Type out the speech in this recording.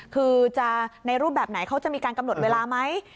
คือจะในรูปแบบไหนเขาจะมีการกำหนดเวลาไหม